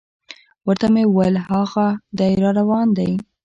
ورته مې وویل: هاغه دی را روان دی.